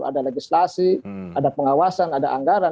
ada legislasi ada pengawasan ada anggaran